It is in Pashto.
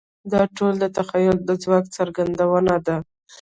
دا ټول د تخیل د ځواک څرګندونه ده.